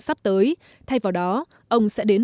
sắp tới thay vào đó ông sẽ đến